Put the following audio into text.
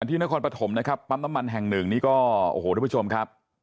ที่นครปฐมนะครับปั๊มน้ำมันแห่งหนึ่งนี่ก็โอ้โหทุกผู้ชมครับ